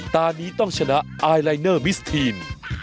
ตอนนี้ต้องชนะเอแอร์ไลนเงอร์มิสทีน